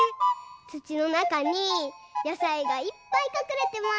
つちのなかにやさいがいっぱいかくれてます。